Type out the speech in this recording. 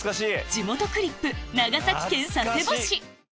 地元クリップ長崎県佐世保市